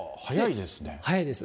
早いです。